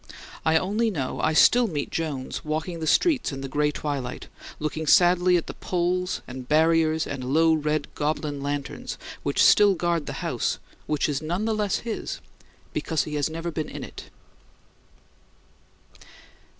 I only know I still meet Jones walking the streets in the gray twilight, looking sadly at the poles and barriers and low red goblin lanterns which still guard the house which is none the less his because he has never been in it.